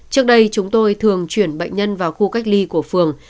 trước đây chúng tôi thường chuyển bệnh nhân vào khu cách ly của phường